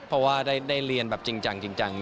เพราะว่าได้เรียนแบบจริง